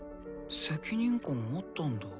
責任感あったんだ。